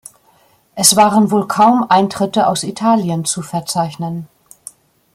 Es waren wohl kaum Eintritte aus Italien zu verzeichnen.